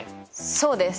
そうです！